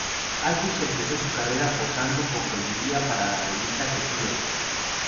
Aldridge empezó su carrera posando con joyería para la revista "The Field".